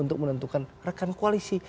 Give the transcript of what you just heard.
untuk menentukan rekan koalisi